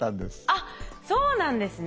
あっそうなんですね。